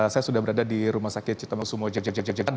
saya sudah berada di rumah sakit cintama sumo jajajajajan